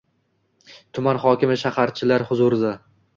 Tuman hokimi hasharchilar huzurida